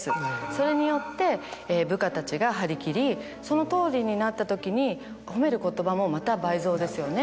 それによって部下たちが張り切りそのとおりになった時に褒める言葉もまた倍増ですよね。